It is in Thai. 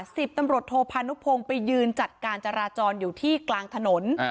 สิบตำรวจโทพานุพงศ์ไปยืนจัดการจราจรอยู่ที่กลางถนน